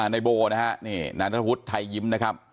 นายโบนะฮะนายนัทธวุฒิไทยยิ้มนะครับ